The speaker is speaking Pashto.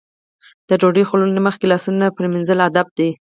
د ډوډۍ خوړلو نه مخکې لاسونه پرېمنځل ادب دی.